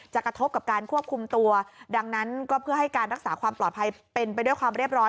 กระทบกับการควบคุมตัวดังนั้นก็เพื่อให้การรักษาความปลอดภัยเป็นไปด้วยความเรียบร้อย